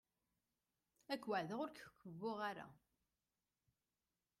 Ad k-weɛdeɣ ur k-kebbuɣ ara.